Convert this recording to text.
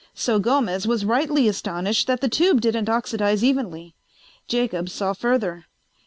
So Gomez was rightly astonished that the tube didn't oxidize evenly. Jacobs saw further.